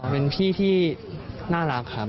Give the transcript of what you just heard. เป็นพี่ที่น่ารักครับ